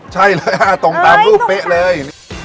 ใช่เลยตรงตามรูปเป๊ะเลย